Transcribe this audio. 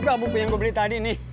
bagus juga buku yang gue beli tadi nih